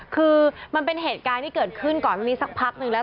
คือมันเป็นเหตุการณ์ที่เกิดขึ้นก่อนมีสักพักนึงแล้ว